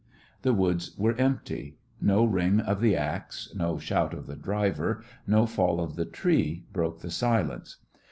The woods were empty. No ring of the axe, no shout of the driver, no fall of the tree broke the silence.